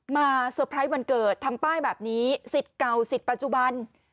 เซอร์ไพรส์วันเกิดทำป้ายแบบนี้สิทธิ์เก่าสิทธิ์ปัจจุบัน